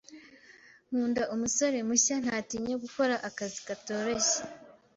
Nkunda umusore mushya. Ntatinya gukora akazi katoroshye.